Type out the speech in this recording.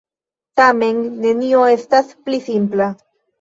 Tamen, nenio estas pli simpla.